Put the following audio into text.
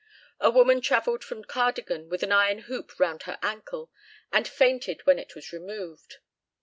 A woman travelled from Cardigan with an iron hoop round her ankle, and fainted when it was removed.